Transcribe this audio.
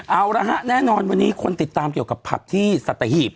เอาละฮะแน่นอนวันนี้คนติดตามเกี่ยวกับผักที่สัตหีบ